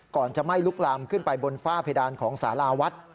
จะไหม้ลุกลามขึ้นไปบนฝ้าเพดานของสาราวัด